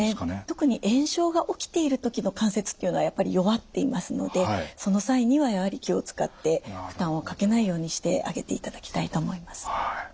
特に炎症が起きている時の関節っていうのはやっぱり弱っていますのでその際にはやはり気を遣って負担をかけないようにしてあげていただきたいと思います。